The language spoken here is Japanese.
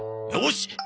よし！